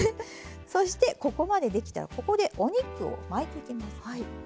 そしてここまでできたらここでお肉を巻いていきます。